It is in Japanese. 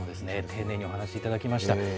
丁寧にお話しいただきました。